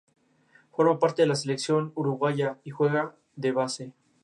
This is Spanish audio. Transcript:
Se graduó de la Universidad de Temple, con su maestría en Bellas Artes.